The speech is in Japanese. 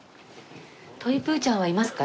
トイプーちゃんはいますか？